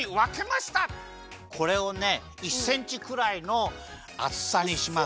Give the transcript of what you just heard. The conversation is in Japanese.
これをね１センチくらいのあつさにします。